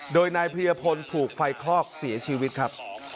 โดยนายเพลียพลถูกไฟคลอกเสียชีวิตครับ